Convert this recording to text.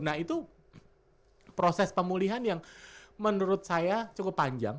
nah itu proses pemulihan yang menurut saya cukup panjang